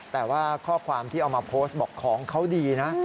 แต่ว่าข้อความที่เอามาโพสต์บอกของเขาดีนะ